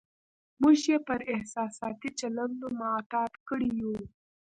موږ یې پر احساساتي چلندونو معتاد کړي یو.